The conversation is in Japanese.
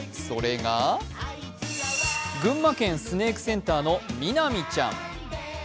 それが群馬県スネークセンターのみなみちゃん。